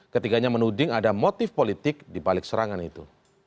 ketiganya menuding ada motif politik di balik serangan itu